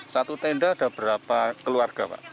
satu tenda ada berapa keluarga pak